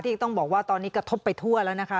ที่ต้องบอกว่าตอนนี้กระทบไปทั่วแล้วนะคะ